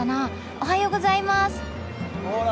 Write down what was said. おはようございます。